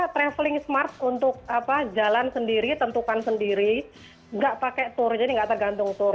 traveling smart untuk jalan sendiri tentukan sendiri nggak pakai tour jadi nggak tergantung tour